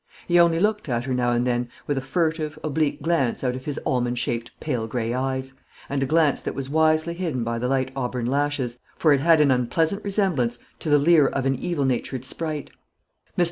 He only looked at her now and then, with a furtive, oblique glance out of his almond shaped, pale grey eyes; a glance that was wisely hidden by the light auburn lashes, for it had an unpleasant resemblance to the leer of an evil natured sprite. Mr.